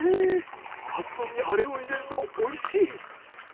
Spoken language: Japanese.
カツ丼にあれを入れるとおいしい？